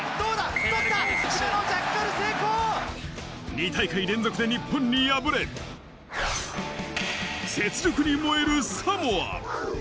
２大会連続で日本に敗れ、雪辱に燃えるサモア。